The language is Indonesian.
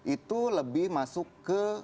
itu lebih masuk ke